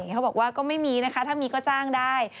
เขาบอกว่าก็ไม่มีนะคะถ้ามีก็จ้างได้